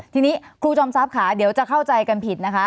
ทีนี้ครูจอมทรัพย์ค่ะเดี๋ยวจะเข้าใจกันผิดนะคะ